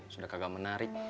sudah kagak menarik